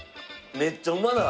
めっちゃうまない？